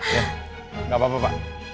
ya nggak apa apa pak